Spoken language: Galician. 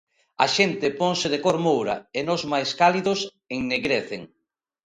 A xente ponse de cor moura e nos máis cálidos ennegrecen.